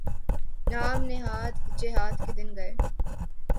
نام نہاد جہاد کے دن گئے۔